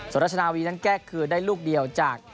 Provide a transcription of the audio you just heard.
ส่วนราชนาวีนั้นแก้คืนได้ลูกเดียวจาก